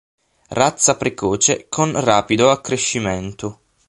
Razza precoce con rapido accrescimento.